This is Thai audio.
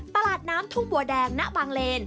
ตลาดน้ำทุ่งบัวแดงณบางเลน